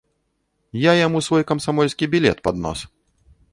Я яму свой камсамольскі білет пад нос.